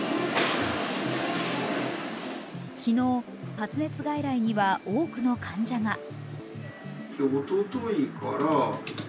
昨日、発熱外来には多くの患者が。